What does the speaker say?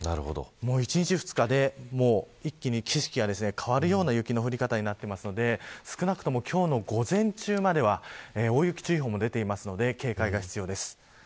１日、２日で一気に季節が変わるような雪の降り方になっているので少なくとも今日の午前中までは大雪注意報も出ているので警戒が必要です。